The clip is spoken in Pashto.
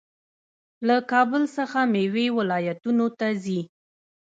له کابل څخه میوې ولایتونو ته ځي.